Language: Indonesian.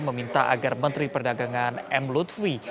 meminta agar menteri perdagangan m lutfi